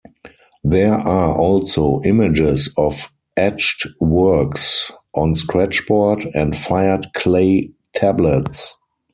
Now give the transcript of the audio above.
There are also images of etched works on scratchboard and fired clay tablets.